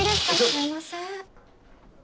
すみません。